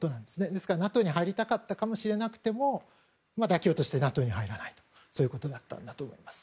ですから、ＮＡＴＯに入りたかったとしれなくても妥協としてＮＡＴＯに入らないということだったんだと思います。